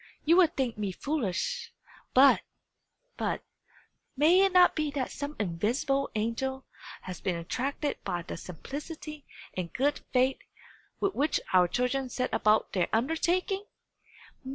"You will think me foolish but but may it not be that some invisible angel has been attracted by the simplicity and good faith with which our children set about their undertaking?